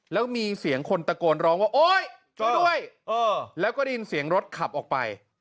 แล้วมีเสียงคนตะโกนร้องว่าโอ๊ยเจอด้วยแล้วก็ได้ยินเสียงรถขับออกไป